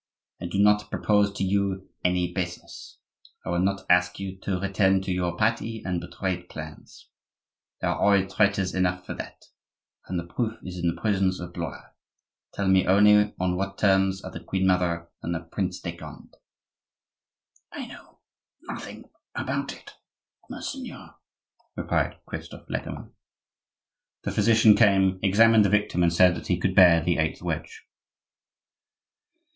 I do not propose to you any baseness; I will not ask you to return to your party and betray its plans,—there are always traitors enough for that, and the proof is in the prisons of Blois; tell me only on what terms are the queen mother and the Prince de Conde?" "I know nothing about it, monseigneur," replied Christophe Lecamus. The physician came, examined the victim, and said that he could bear the eighth wedge.